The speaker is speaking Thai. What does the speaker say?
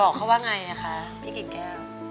บอกเขาว่าไงคะพี่กิ่งแก้ว